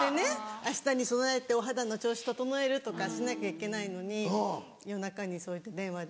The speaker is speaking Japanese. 明日に備えてお肌の調子整えるとかしなきゃいけないのに夜中にそういった電話で。